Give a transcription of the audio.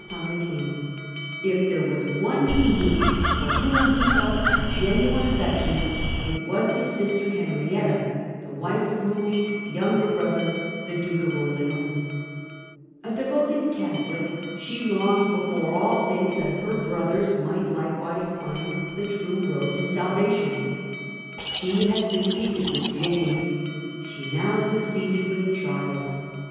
upon the King, if there was one being for whom he felt a genuine affection it was his sister Henrietta, the wife of Louis's younger brother, the Duke of Orleans (see p. 103). Declaration ^ devoted Catholic, she longed before all things of conversion that her brothers might likewise find the true by Charles. roa( j tQ sa i va ti ont she had succeeded with James. She now succeeded with Charles.